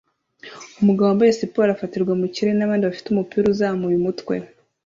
Umugabo wambaye siporo afatirwa mu kirere nabandi bafite umupira uzamuye umutwe